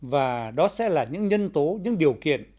và đó sẽ là những nhân tố những điều kiện